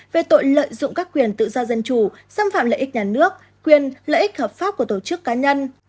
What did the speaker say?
quyền tự do dân chủ xâm phạm lợi ích nhà nước quyền lợi ích hợp pháp của tổ chức cá nhân